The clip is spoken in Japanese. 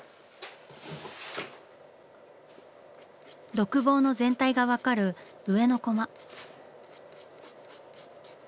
独房の全体が分かる上のコマ。